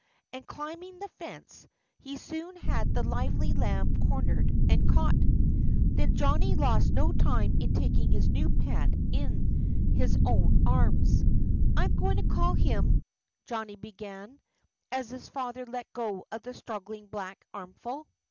And climbing the fence, he soon had the lively lamb cornered and caught. Then Johnnie lost no time in taking his new pet in his own arms. "I'm going to call him " Johnnie began, as his father let go of the struggling black armful.